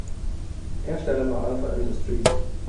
Hersteller war Alpha Industries.